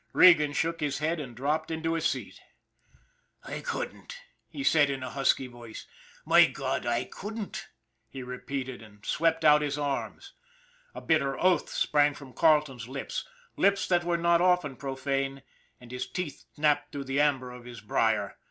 Regan shook his head and dropped into a seat. 162 ON THE IRON AT BIG CLOUD " I couldn't/' he said in a husky voice. " My God, I couldn't" he repeated, and swept out his arms. A bitter oath sprang from Carleton's lips, lips that were not often profane, and his teeth snapped through the amber of his briar.